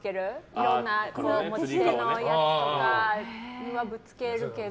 いろんな持ち手のやつとかにはぶつけるけど。